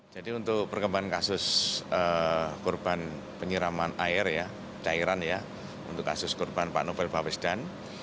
jadi untuk perkembangan kasus korban penyiraman air daerahnya untuk kasus korban pak novel baswedan